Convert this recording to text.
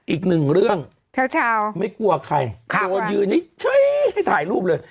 อีกหนึ่งเรื่องไม่กลัวใครโดนยืนเฉยให้ถ่ายรูปเลย